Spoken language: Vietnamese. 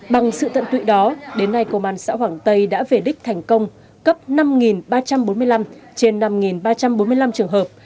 bằng sự tận tụy đó đến nay công an xã hoàng tây đã về đích thành công cấp năm ba trăm bốn mươi năm trên năm ba trăm bốn mươi năm trường hợp